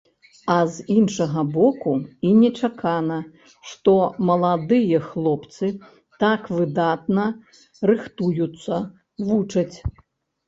А з іншага боку, і нечакана, што маладыя хлопцы так выдатна рыхтуюцца, вучаць.